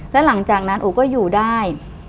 แล้วหลังจากนั้นไปอยู่ได้